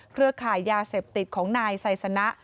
เครือข่ายยาเสพติดของนายไซสนะ